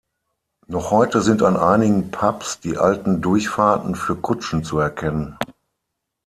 Noch heute sind an einigen Pubs die alten Durchfahrten für Kutschen zu erkennen.